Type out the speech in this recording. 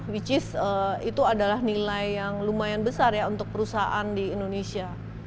yang adalah nilai yang lumayan besar untuk perusahaan di indonesia